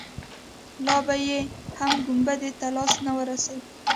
لا به يې هم ګنبدې ته لاس نه وررسېده.